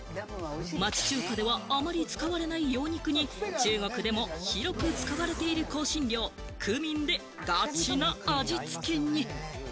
街中華ではあまり使われない羊肉に、中国でも広く使われている香辛料・クミンで、ガチな味付けに。